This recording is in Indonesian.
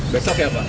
besok ya pak